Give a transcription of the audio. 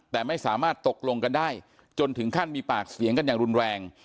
แต่ไม่สามารถตกลงกันได้จนถึงขั้นมีปากเสียงกันอย่างรุนแรง